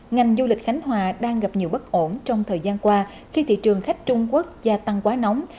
ngành du lịch khánh hòa đang gặp nhiều bất ổn trong thời gian qua khi thị trường khách trung quốc gia tăng quá nóng